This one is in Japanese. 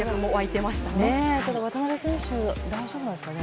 ただ、渡邊選手大丈夫なんですかね？